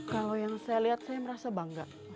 kalau yang saya lihat saya merasa bangga